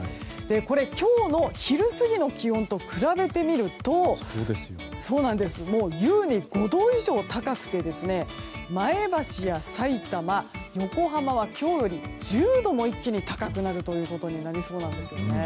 今日の昼過ぎの気温と比べてみると優に５度以上高くて前橋やさいたま、横浜は今日より１０度も一気に高くなるということになりそうです。